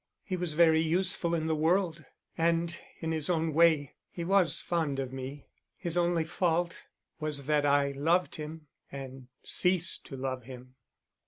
He was very useful in the world, and, in his own way, he was fond of me. His only fault was that I loved him and ceased to love him."